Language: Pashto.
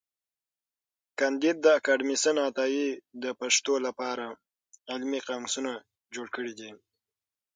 کانديد اکاډميسن عطايي د پښتو له پاره علمي قاموسونه جوړ کړي دي.